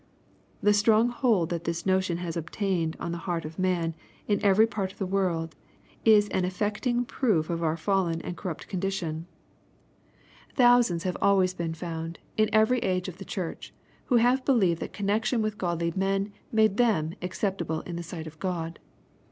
The strong hold that this notion has obtained on the heart of man, in every part of the world, is an affecting proof of our fallen and corrupt condition. Thousands \ 92 KXPOSITOBY THOUGHTS. have Si ways been found, in every age of the churchy who have believed that connextion with godly men made them acceptable in the sight of God.